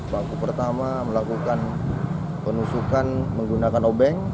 pelaku pertama melakukan penusukan menggunakan obeng